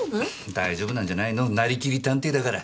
大丈夫なんじゃないのなりきり探偵だから。